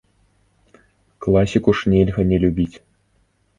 Класіку ж нельга не любіць!